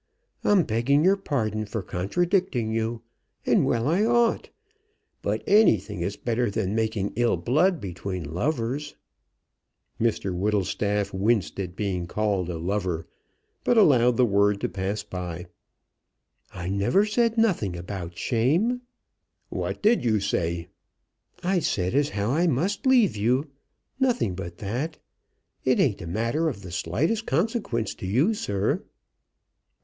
I'm begging your pardon for contradicting you, and well I ought. But anything is better than making ill blood between lovers." Mr Whittlestaff winced at being called a lover, but allowed the word to pass by. "I never said nothing about shame." "What did you say?" "I said as how I must leave you; nothing but that. It ain't a matter of the slightest consequence to you, sir."